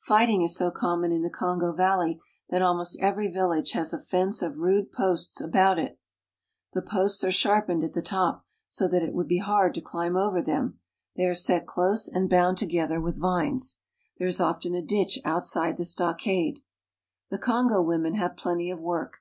Fighting is so common in the Kongo valley that almost every village has a fence of rude posts about it. The posts' are sharpened at the top so that it would be hard to climb over them ; they are set close and bound to gether with vines. There is often a ditch outside the stockade. The Kongo women have plenty of work.